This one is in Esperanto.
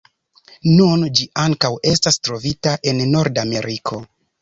Nun ĝi ankaŭ estas trovita en Nordameriko.